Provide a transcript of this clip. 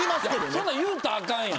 そんなん言うたらあかんやん。